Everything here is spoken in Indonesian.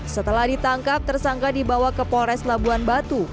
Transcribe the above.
setelah ditangkap tersangka dibawa ke polres labuan batu